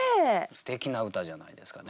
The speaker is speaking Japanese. すてきな歌じゃないですかね。